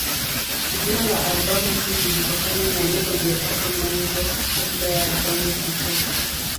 Jina la albamu hii lilitokana na nyimbo iliyotoka Mwanzo kabla ya albamu kutoka.